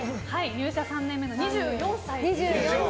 入社３年目の２４歳です。